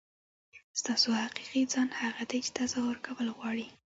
ستاسو حقیقي ځان هغه دی چې تظاهر کول غواړي.